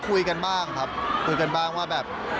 คุยกันบ้างครับคุยกันบ้างว่าแบบ